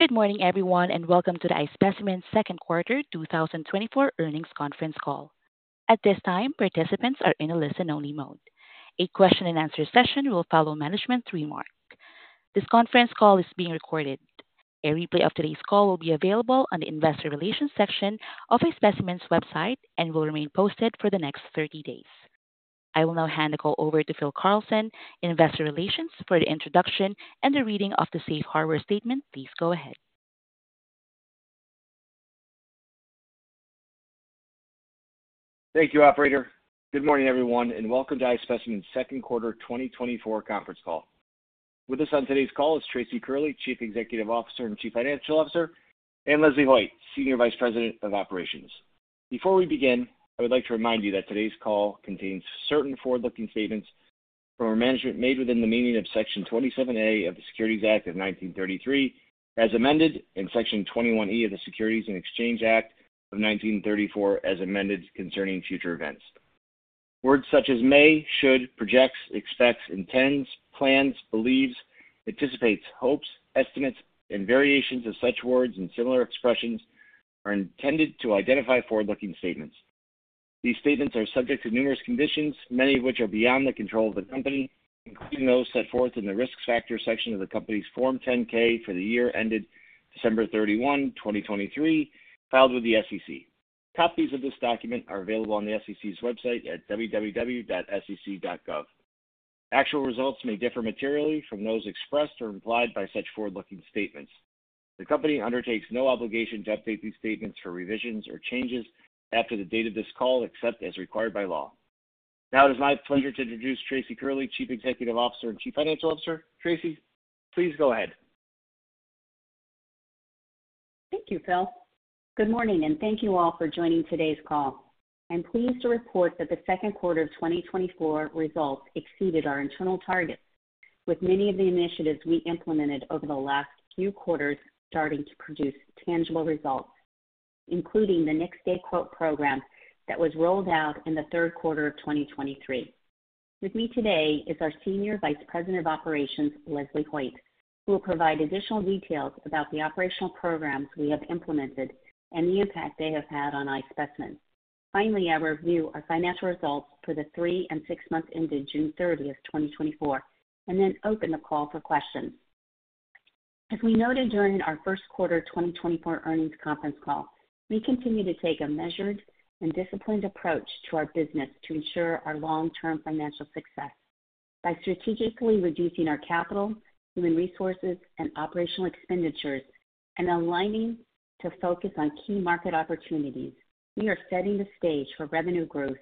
Good morning, everyone, and welcome to the iSpecimen Second Quarter 2024 Earnings Conference Call. At this time, participants are in a listen-only mode. A question-and-answer session will follow management's remark. This conference call is being recorded. A replay of today's call will be available on the Investor Relations section of iSpecimen's website and will remain posted for the next 30 days. I will now hand the call over to Phil Carlson in Investor Relations for the introduction and the reading of the safe harbor statement. Please go ahead. Thank you, operator. Good morning, everyone, and welcome to iSpecimen's Second Quarter 2024 conference call. With us on today's call is Tracy Curley, Chief Executive Officer and Chief Financial Officer, and Leslie Hoyt, Senior Vice President of Operations. Before we begin, I would like to remind you that today's call contains certain forward-looking statements from our management made within the meaning of Section 27A of the Securities Act of 1933, as amended, and Section 21E of the Securities and Exchange Act of 1934, as amended, concerning future events. Words such as may, should, projects, expects, intends, plans, believes, anticipates, hopes, estimates, and variations of such words and similar expressions are intended to identify forward-looking statements. These statements are subject to numerous conditions, many of which are beyond the control of the company, including those set forth in the Risk Factors section of the company's Form 10-K for the year ended December 31, 2023, filed with the SEC. Copies of this document are available on the SEC's website at www.sec.gov. Actual results may differ materially from those expressed or implied by such forward-looking statements. The company undertakes no obligation to update these statements for revisions or changes after the date of this call, except as required by law. Now, it is my pleasure to introduce Tracy Curley, Chief Executive Officer and Chief Financial Officer. Tracy, please go ahead. Thank you, Phil. Good morning, and thank you all for joining today's call. I'm pleased to report that the second quarter of 2024 results exceeded our internal targets, with many of the initiatives we implemented over the last few quarters starting to produce tangible results, including the Next-Day Quote Program that was rolled out in the third quarter of 2023. With me today is our Senior Vice President of Operations, Leslie Hoyt, who will provide additional details about the operational programs we have implemented and the impact they have had on iSpecimen. Finally, I review our financial results for the three and six months ended June 30, 2024, and then open the call for questions. As we noted during our first quarter 2024 earnings conference call, we continue to take a measured and disciplined approach to our business to ensure our long-term financial success. By strategically reducing our capital, human resources, and operational expenditures and aligning to focus on key market opportunities, we are setting the stage for revenue growth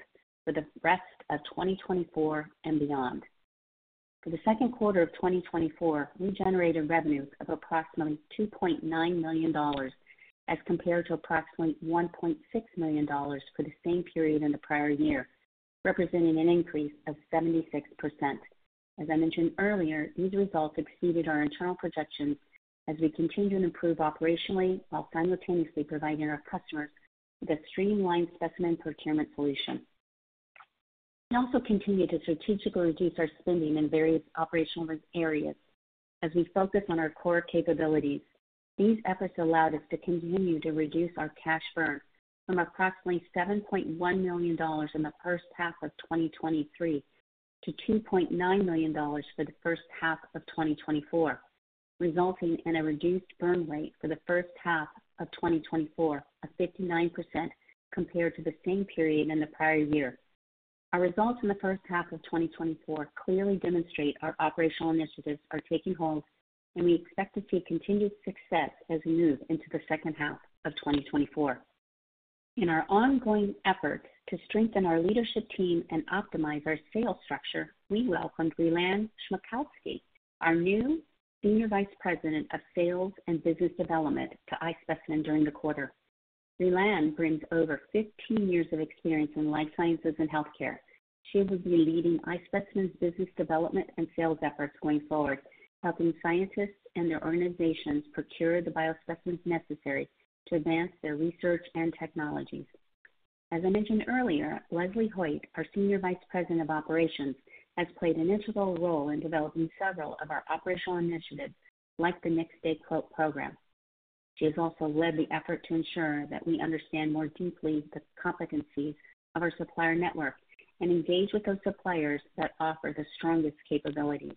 for the rest of 2024 and beyond. For the second quarter of 2024, we generated revenue of approximately $2.9 million, as compared to approximately $1.6 million for the same period in the prior year, representing an increase of 76%. As I mentioned earlier, these results exceeded our internal projections as we continue to improve operationally while simultaneously providing our customers with a streamlined specimen procurement solution. We also continue to strategically reduce our spending in various operational areas as we focus on our core capabilities. These efforts allowed us to continue to reduce our cash burn from approximately $7.1 million in the first half of 2023 to $2.9 million for the first half of 2024, resulting in a reduced burn rate for the first half of 2024 of 59%, compared to the same period in the prior year. Our results in the first half of 2024 clearly demonstrate our operational initiatives are taking hold, and we expect to see continued success as we move into the second half of 2024. In our ongoing effort to strengthen our leadership team and optimize our sales structure, we welcomed Brielan Smiechowski, our new Senior Vice President of Sales and Business Development, to iSpecimen during the quarter. Brielan brings over 15 years of experience in life sciences and healthcare. She will be leading iSpecimen's business development and sales efforts going forward, helping scientists and their organizations procure the biospecimens necessary to advance their research and technologies. As I mentioned earlier, Leslie Hoyt, our Senior Vice President of Operations, has played an integral role in developing several of our operational initiatives, like the Next-Day Quote Program. She has also led the effort to ensure that we understand more deeply the competencies of our supplier network and engage with those suppliers that offer the strongest capabilities.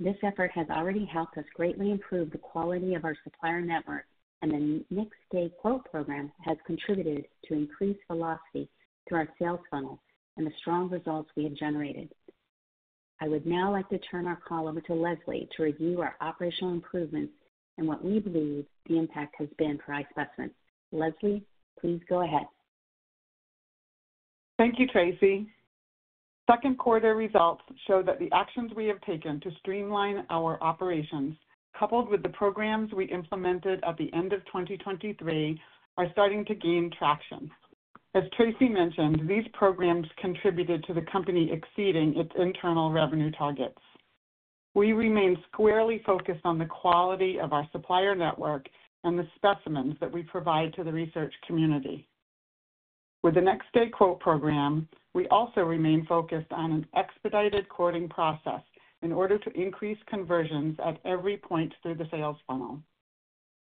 This effort has already helped us greatly improve the quality of our supplier network, and the Next-Day Quote Program has contributed to increased velocity through our sales funnel and the strong results we have generated. I would now like to turn our call over to Leslie to review our operational improvements and what we believe the impact has been for iSpecimen. Leslie, please go ahead. Thank you, Tracy. Second quarter results show that the actions we have taken to streamline our operations, coupled with the programs we implemented at the end of 2023, are starting to gain traction. As Tracy mentioned, these programs contributed to the company exceeding its internal revenue targets. We remain squarely focused on the quality of our supplier network and the specimens that we provide to the research community.... With the Next-Day Quote Program, we also remain focused on an expedited quoting process in order to increase conversions at every point through the sales funnel.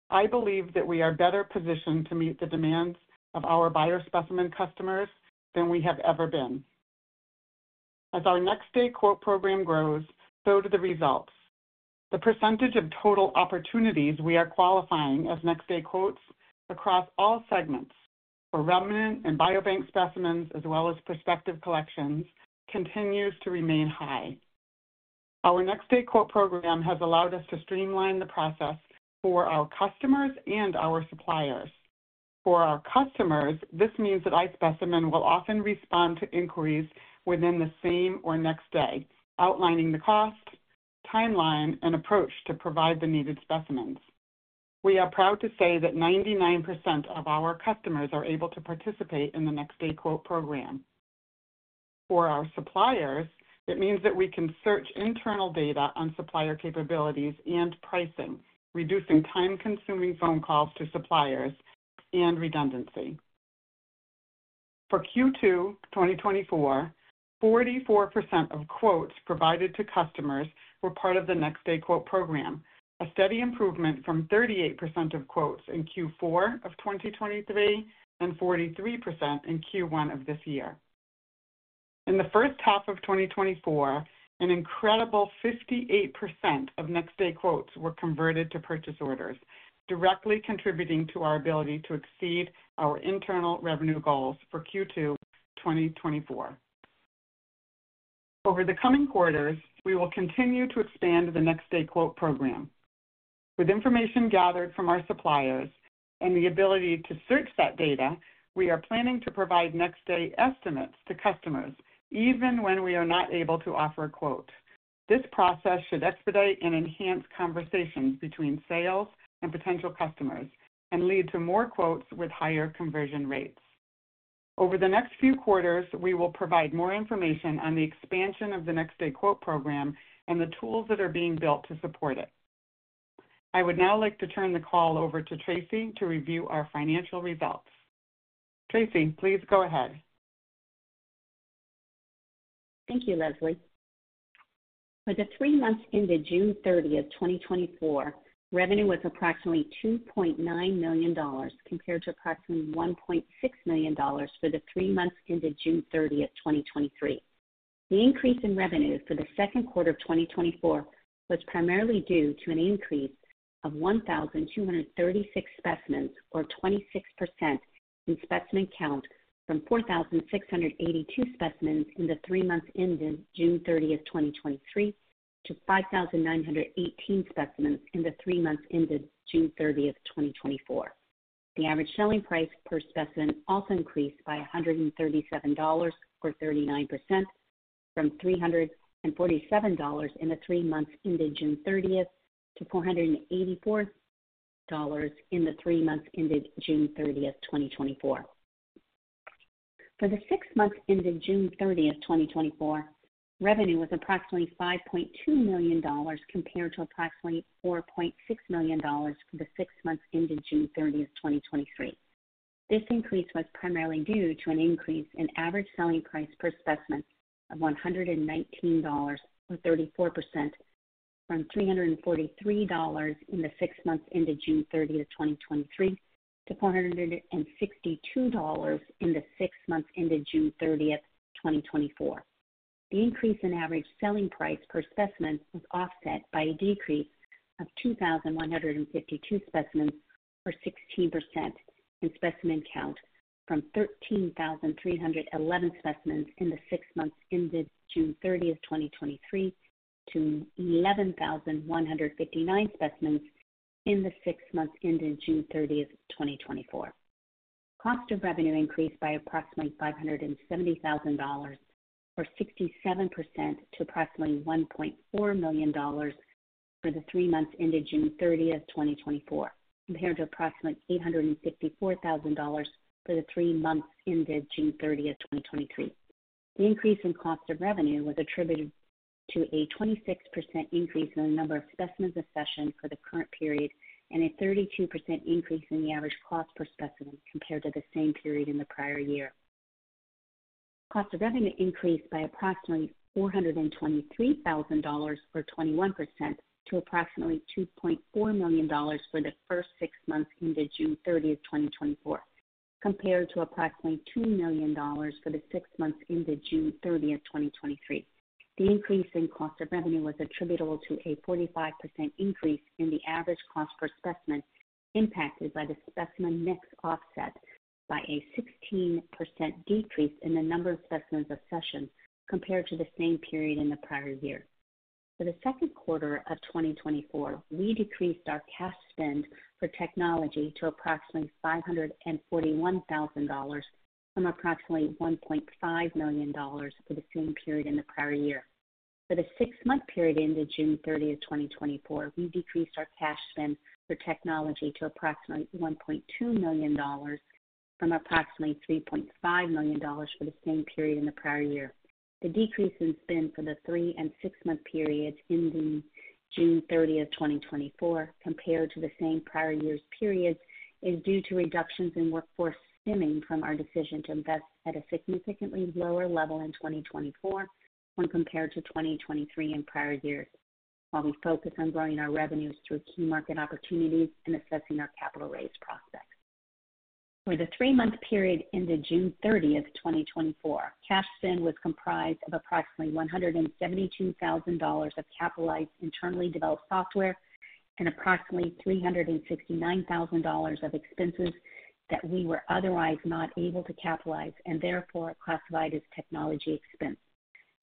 I believe that we are better positioned to meet the demands of our biospecimen customers than we have ever been. As our Next-Day Quote Program grows, so do the results. The percentage of total opportunities we are qualifying as next day quotes across all segments for remnant and biobank specimens, as well as prospective collections, continues to remain high. Our Next-Day Quote Program has allowed us to streamline the process for our customers and our suppliers. For our customers, this means that iSpecimen will often respond to inquiries within the same or next day, outlining the cost, timeline, and approach to provide the needed specimens. We are proud to say that 99% of our customers are able to participate in the Next-Day Quote Program. for our suppliers, it means that we can search internal data on supplier capabilities and pricing, reducing time-consuming phone calls to suppliers and redundancy. For Q2 2024, 44% of quotes provided to customers were part of the Next-Day Quote Program, a steady improvement from 38% of quotes in Q4 of 2023 and 43% in Q1 of this year. In the first half of 2024, an incredible 58% of Next-Day Quote Program quotes were converted to purchase orders, directly contributing to our ability to exceed our internal revenue goals for Q2 2024. Over the coming quarters, we will continue to expand the Next-Day Quote Program. With information gathered from our suppliers and the ability to search that data, we are planning to provide next day estimates to customers even when we are not able to offer a quote. This process should expedite and enhance conversations between sales and potential customers and lead to more quotes with higher conversion rates. Over the next few quarters, we will provide more information on the expansion of the Next-Day Quote Program and the tools that are being built to support it. I would now like to turn the call over to Tracy to review our financial results. Tracy, please go ahead. Thank you, Leslie. For the three months ended June 30, 2024, revenue was approximately $2.9 million, compared to approximately $1.6 million for the three months ended June 30, 2023. The increase in revenue for the second quarter of 2024 was primarily due to an increase of 1,236 specimens, or 26%, in specimen count from 4,682 specimens in the three months ended June 30, 2023, to 5,918 specimens in the three months ended June 30, 2024. The average selling price per specimen also increased by $137, or 39%, from $347 in the three months ended June 30, to $484 in the three months ended June 30, 2024. For the six months ended June 30, 2024, revenue was approximately $5.2 million, compared to approximately $4.6 million for the six months ended June 30, 2023. This increase was primarily due to an increase in average selling price per specimen of $119, or 34%, from $343 in the six months ended June 30, 2023, to $462 in the six months ended June 30, 2024. The increase in average selling price per specimen was offset by a decrease of 2,152 specimens, or 16%, in specimen count from 13,311 specimens in the six months ended June 30, 2023, to 11,159 specimens in the six months ended June 30, 2024. Cost of revenue increased by approximately $570,000, or 67%, to approximately $1.4 million for the three months ended June 30, 2024, compared to approximately $864,000 for the three months ended June 30, 2023. The increase in cost of revenue was attributed to a 26% increase in the number of specimens accessioned for the current period and a 32% increase in the average cost per specimen compared to the same period in the prior year. Cost of revenue increased by approximately $423,000, or 21%, to approximately $2.4 million for the first six months ended June 30, 2024, compared to approximately $2 million for the six months ended June 30, 2023. The increase in cost of revenue was attributable to a 45% increase in the average cost per specimen, impacted by the specimen mix, offset by a 16% decrease in the number of specimens accessioned compared to the same period in the prior year. For the second quarter of 2024, we decreased our cash spend for technology to approximately $541,000, from approximately $1.5 million for the same period in the prior year. For the six-month period ended June 30, 2024, we decreased our cash spend for technology to approximately $1.2 million from approximately $3.5 million for the same period in the prior year. The decrease in spend for the 3- and 6-month periods ending June 30, 2024, compared to the same prior year's periods, is due to reductions in workforce stemming from our decision to invest at a significantly lower level in 2024 when compared to 2023 and prior years, while we focus on growing our revenues through key market opportunities and assessing our capital raise prospects. For the 3-month period ended June 30, 2024, cash spend was comprised of approximately $172,000 of capitalized internally developed software and approximately $369,000 of expenses that we were otherwise not able to capitalize and therefore classified as technology expense.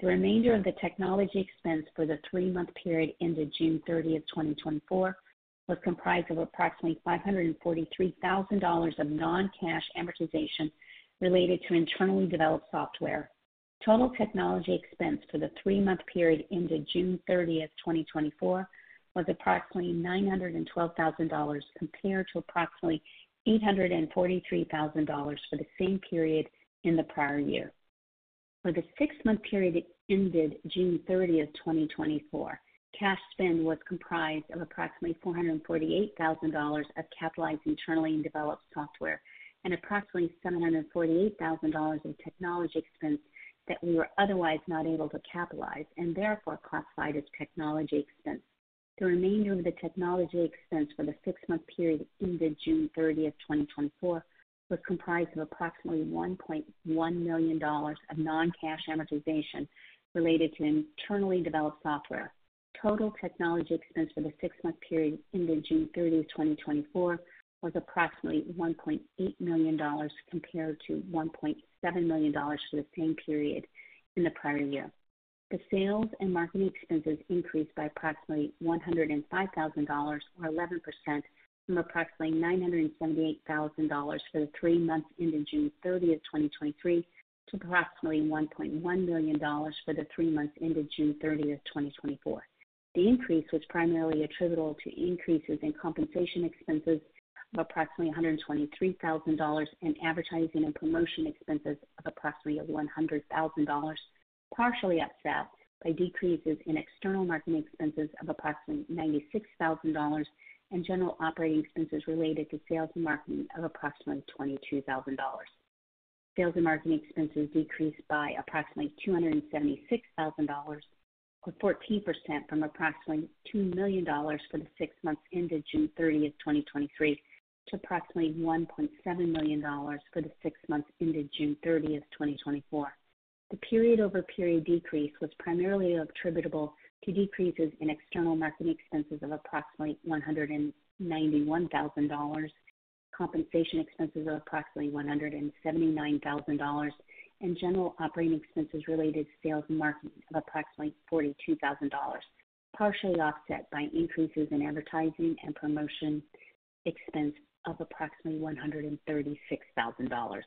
The remainder of the technology expense for the 3-month period ended June 30, 2024, was comprised of approximately $543,000 of non-cash amortization related to internally developed software. Total technology expense for the three-month period ended June 30, 2024, was approximately $912,000, compared to approximately $843,000 for the same period in the prior year. For the six-month period ended June 30, 2024, cash spend was comprised of approximately $448,000 of capitalized internally developed software and approximately $748,000 in technology expense that we were otherwise not able to capitalize and therefore classified as technology expense. The remainder of the technology expense for the six-month period ended June 30, 2024, was comprised of approximately $1.1 million of non-cash amortization related to internally developed software. Total technology expense for the six-month period ended June 30, 2024, was approximately $1.8 million, compared to $1.7 million for the same period in the prior year. The sales and marketing expenses increased by approximately $105,000, or 11%, from approximately $978,000 for the three months ended June 30, 2023, to approximately $1.1 million for the three months ended June 30, 2024. The increase was primarily attributable to increases in compensation expenses of approximately $123,000 and advertising and promotion expenses of approximately $100,000, partially offset by decreases in external marketing expenses of approximately $96,000 and general operating expenses related to sales and marketing of approximately $22,000. Sales and marketing expenses decreased by approximately $276,000, or 14%, from approximately $2 million for the six months ended June 30, 2023, to approximately $1.7 million for the six months ended June 30, 2024. The period-over-period decrease was primarily attributable to decreases in external marketing expenses of approximately $191,000, compensation expenses of approximately $179,000, and general operating expenses related to sales and marketing of approximately $42,000, partially offset by increases in advertising and promotion expense of approximately $136,000.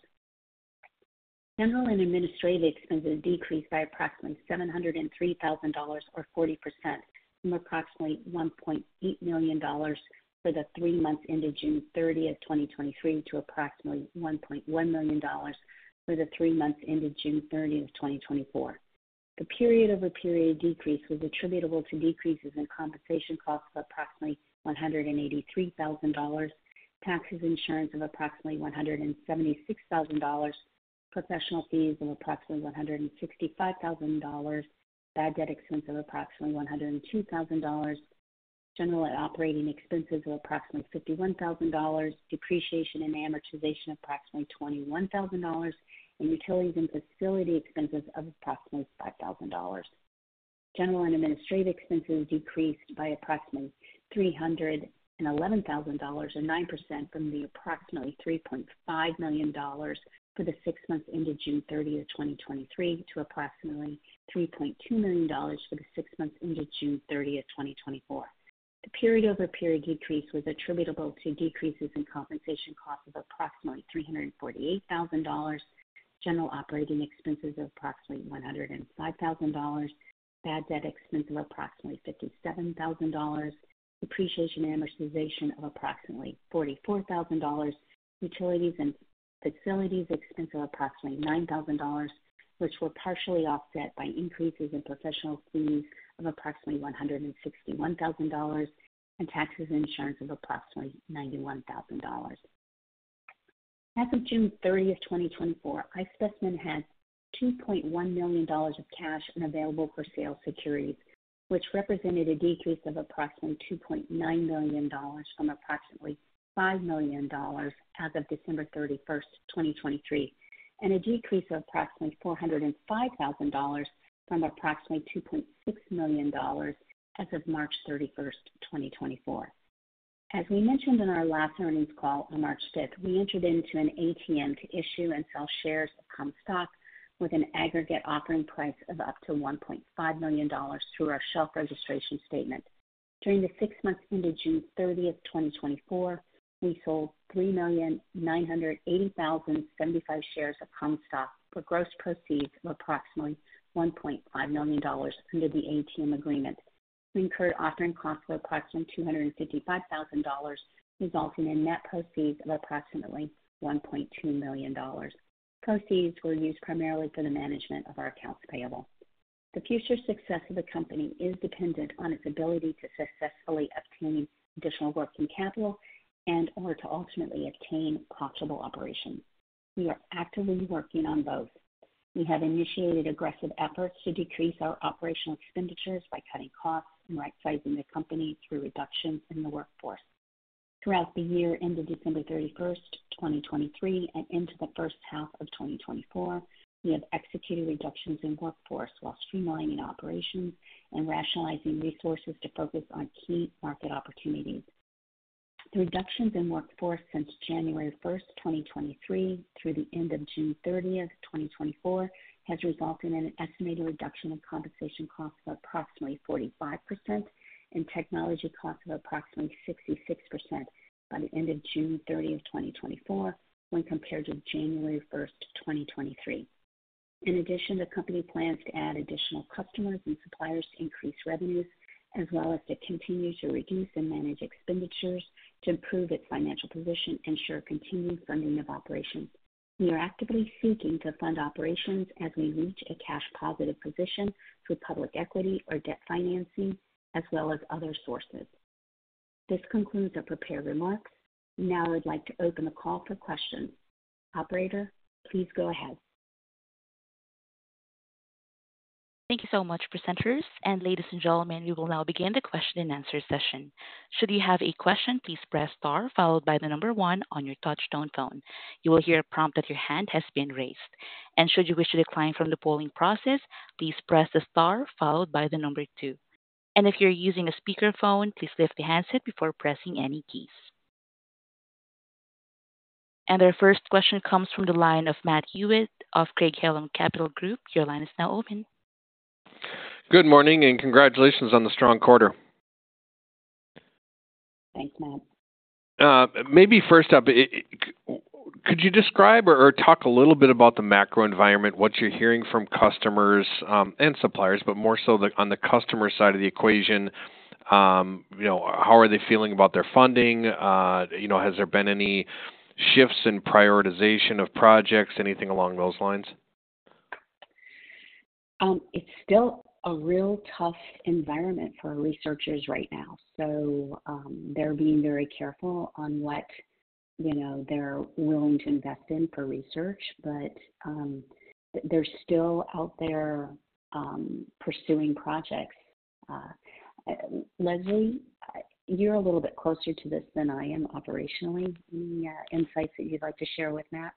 General and administrative expenses decreased by approximately $703,000, or 40%, from approximately $1.8 million for the three months ended June 30, 2023, to approximately $1.1 million for the three months ended June 30, 2024. The period-over-period decrease was attributable to decreases in compensation costs of approximately $183,000, taxes and insurance of approximately $176,000, professional fees of approximately $165,000, bad debt expense of approximately $102,000, general operating expenses of approximately $51,000, depreciation and amortization of approximately $21,000, and utilities and facility expenses of approximately $5,000. General and administrative expenses decreased by approximately $311,000, or 9%, from the approximately $3.5 million for the six months ended June 30, 2023, to approximately $3.2 million for the six months ended June 30, 2024. The period-over-period decrease was attributable to decreases in compensation costs of approximately $348,000, general operating expenses of approximately $105,000, bad debt expense of approximately $57,000, depreciation and amortization of approximately $44,000, utilities and facilities expense of approximately $9,000, which were partially offset by increases in professional fees of approximately $161,000, and taxes and insurance of approximately $91,000. As of June 30, 2024, iSpecimen had $2.1 million of cash and available for sale securities, which represented a decrease of approximately $2.9 million from approximately $5 million as of December 31, 2023, and a decrease of approximately $405,000 from approximately $2.6 million as of March 31, 2024. As we mentioned in our last earnings call on March 5, we entered into an ATM to issue and sell shares of common stock with an aggregate offering price of up to $1.5 million through our shelf registration statement. During the six months ended June 30, 2024, we sold 3,980,075 shares of common stock for gross proceeds of approximately $1.5 million under the ATM agreement.... We incurred offering costs of approximately $255,000, resulting in net proceeds of approximately $1.2 million. Proceeds were used primarily for the management of our accounts payable. The future success of the company is dependent on its ability to successfully obtain additional working capital and or to ultimately obtain profitable operations. We are actively working on both. We have initiated aggressive efforts to decrease our operational expenditures by cutting costs and rightsizing the company through reductions in the workforce. Throughout the year ended December 31, 2023, and into the first half of 2024, we have executed reductions in workforce while streamlining operations and rationalizing resources to focus on key market opportunities. The reductions in workforce since January 1, 2023, through the end of June 30, 2024, has resulted in an estimated reduction in compensation costs of approximately 45% and technology costs of approximately 66% by the end of June 30, 2024, when compared to January 1, 2023. In addition, the company plans to add additional customers and suppliers to increase revenues, as well as to continue to reduce and manage expenditures to improve its financial position and ensure continued funding of operations. We are actively seeking to fund operations as we reach a cash positive position through public equity or debt financing as well as other sources. This concludes our prepared remarks. Now I'd like to open the call for questions. Operator, please go ahead. Thank you so much, presenters. Ladies and gentlemen, we will now begin the question and answer session. Should you have a question, please press star, followed by the number 1 on your touchtone phone. You will hear a prompt that your hand has been raised, and should you wish to decline from the polling process, please press the star followed by the number 2. If you're using a speakerphone, please lift the handset before pressing any keys. Our first question comes from the line of Matt Hewitt of Craig-Hallum Capital Group. Your line is now open. Good morning, and congratulations on the strong quarter. Thanks, Matt. Maybe first up, could you describe or, or talk a little bit about the macro environment, what you're hearing from customers and suppliers, but more so the, on the customer side of the equation. You know, how are they feeling about their funding? You know, has there been any shifts in prioritization of projects? Anything along those lines? It's still a real tough environment for researchers right now, so they're being very careful on what, you know, they're willing to invest in for research. But they're still out there pursuing projects. Leslie, you're a little bit closer to this than I am operationally. Any insights that you'd like to share with Matt?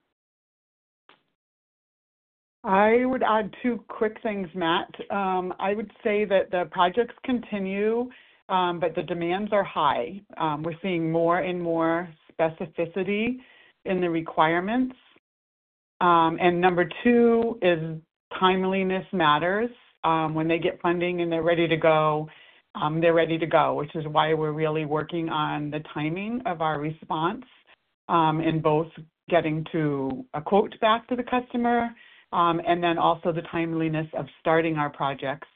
I would add two quick things, Matt. I would say that the projects continue, but the demands are high. We're seeing more and more specificity in the requirements. And number two is timeliness matters. When they get funding and they're ready to go, they're ready to go, which is why we're really working on the timing of our response, in both getting to a quote back to the customer, and then also the timeliness of starting our projects,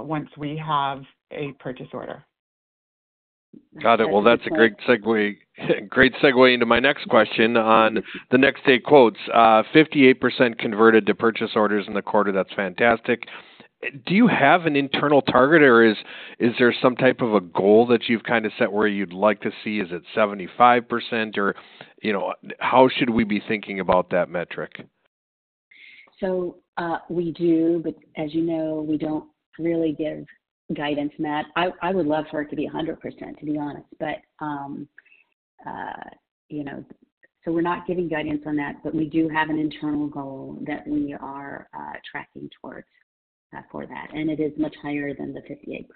once we have a purchase order. Got it. Well, that's a great segue, great segue into my next question on the next day quotes. 58% converted to purchase orders in the quarter. That's fantastic. Do you have an internal target, or is, is there some type of a goal that you've kind of set where you'd like to see? Is it 75%, or, you know, how should we be thinking about that metric? So, we do, but as you know, we don't really give guidance, Matt. I would love for it to be 100%, to be honest, but, you know, so we're not giving guidance on that. But we do have an internal goal that we are tracking towards, for that, and it is much higher than the 58%.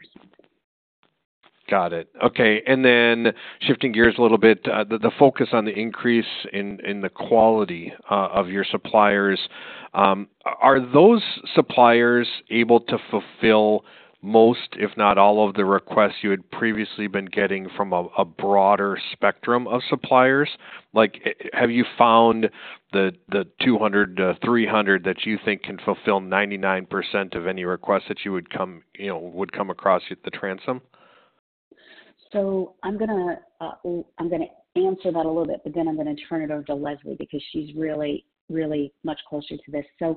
Got it. Okay, and then shifting gears a little bit, the focus on the increase in the quality of your suppliers. Are those suppliers able to fulfill most, if not all, of the requests you had previously been getting from a broader spectrum of suppliers? Like, have you found the 200 to 300 that you think can fulfill 99% of any requests that would come, you know, across at the transom? So I'm gonna answer that a little bit, but then I'm gonna turn it over to Leslie because she's really, really much closer to this. So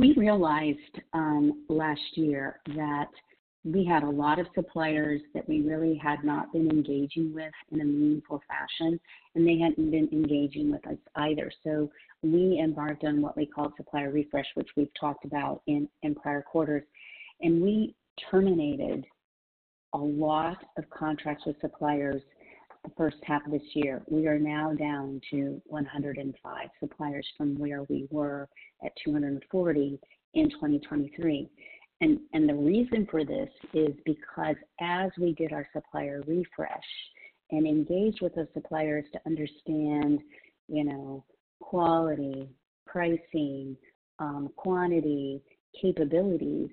we realized last year that we had a lot of suppliers that we really had not been engaging with in a meaningful fashion, and they hadn't been engaging with us either. So we embarked on what we call Supplier Refresh, which we've talked about in prior quarters, and we terminated a lot of contracts with suppliers the first half of this year. We are now down to 105 suppliers from where we were at 240 in 2023. The reason for this is because as we did our supplier refresh and engaged with the suppliers to understand, you know, quality, pricing, quantity, capabilities,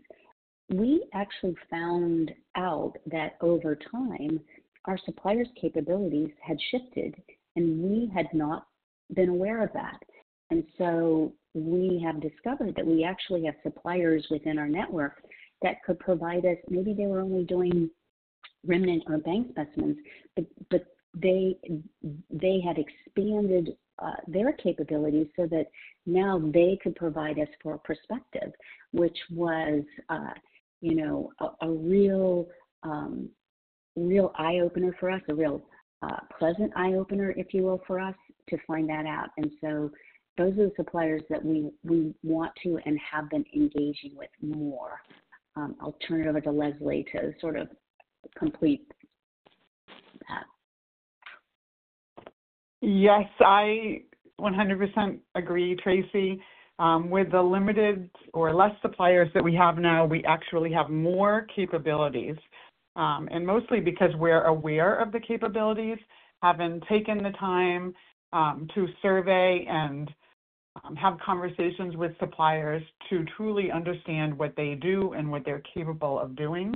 we actually found out that over time, our suppliers' capabilities had shifted, and we had not been aware of that. And so we have discovered that we actually have suppliers within our network that could provide us, maybe they were only doing remnant or bank specimens, but they had expanded their capabilities so that now they could provide us prospective, which was, you know, a real eye-opener for us, a real pleasant eye-opener, if you will, for us to find that out. And so those are the suppliers that we want to and have been engaging with more. I'll turn it over to Leslie to sort of complete that. Yes, I 100% agree, Tracy. With the limited or less suppliers that we have now, we actually have more capabilities, and mostly because we're aware of the capabilities, having taken the time, to survey and have conversations with suppliers to truly understand what they do and what they're capable of doing.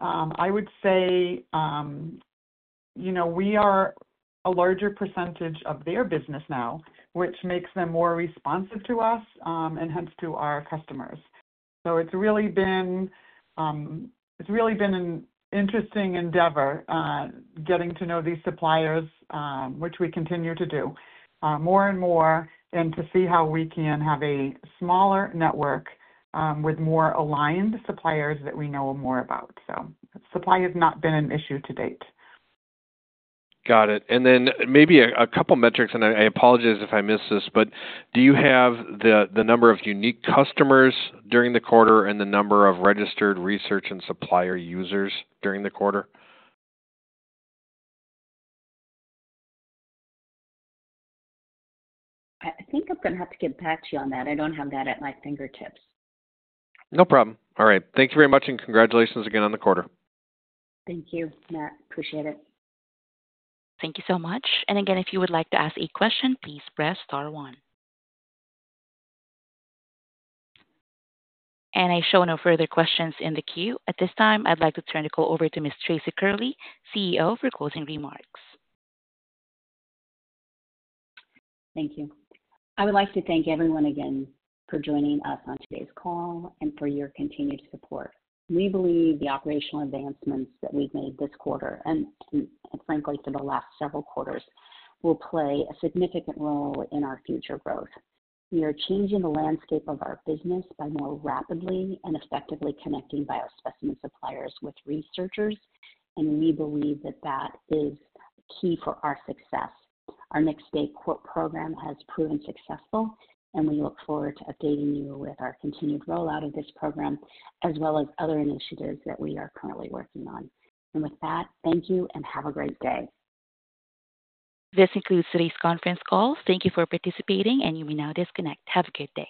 I would say, you know, we are a larger percentage of their business now, which makes them more responsive to us, and hence to our customers. So it's really been, it's really been an interesting endeavor, getting to know these suppliers, which we continue to do, more and more, and to see how we can have a smaller network, with more aligned suppliers that we know more about. So supply has not been an issue to date. Got it. And then maybe a couple metrics, and I apologize if I missed this, but do you have the number of unique customers during the quarter and the number of registered research and supplier users during the quarter? I think I'm gonna have to get back to you on that. I don't have that at my fingertips. No problem. All right. Thank you very much, and congratulations again on the quarter. Thank you, Matt. Appreciate it. Thank you so much. And again, if you would like to ask a question, please press star one. And I show no further questions in the queue. At this time, I'd like to turn the call over to Miss Tracy Curley, CEO, for closing remarks. Thank you. I would like to thank everyone again for joining us on today's call and for your continued support. We believe the operational advancements that we've made this quarter, and frankly, for the last several quarters, will play a significant role in our future growth. We are changing the landscape of our business by more rapidly and effectively connecting biospecimen suppliers with researchers, and we believe that that is key for our success. Our Next-Day Quote Program has proven successful, and we look forward to updating you with our continued rollout of this program, as well as other initiatives that we are currently working on. With that, thank you and have a great day. This concludes today's conference call. Thank you for participating, and you may now disconnect. Have a good day.